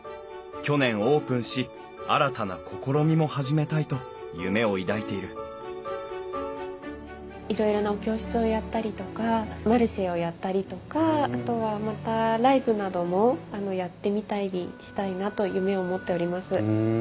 去年オープンし新たな試みも始めたいと夢を抱いているいろいろなお教室をやったりとかマルシェをやったりとかあとはまたライブなどもやってみたりしたいなと夢を持っております。